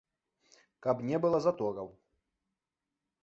Каб не было затораў.